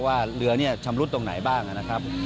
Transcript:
ว่าเรือนี่ชำรุดตรงไหนบ้างนะครับ